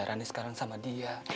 rani sekarang sama dia